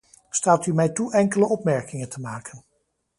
Staat u mij toe enkele opmerkingen te maken.